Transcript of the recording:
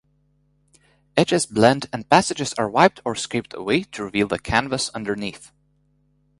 Edges blend and passages are wiped or scraped away to reveal the canvas underneath.